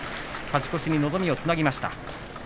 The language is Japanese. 勝ち越しに望みをつなぎました。